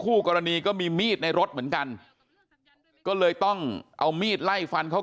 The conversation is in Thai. คู่กรณีก็มีมีดในรถเหมือนกันก็เลยต้องเอามีดไล่ฟันเขา